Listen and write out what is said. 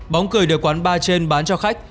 bóng cười được quán ba trên bán cho khách